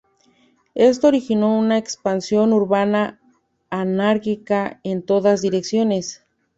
Esto originó una expansión urbana anárquica en todas direcciones.